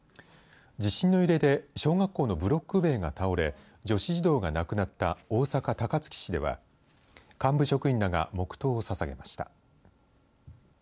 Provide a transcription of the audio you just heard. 地震の揺れで小学校のブロック塀が倒れ女子児童が亡くなった大阪、高槻市では幹部職員らが黙とうをささげました。